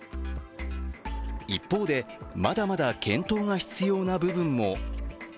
一方でまだまだ検討が必要な部分も。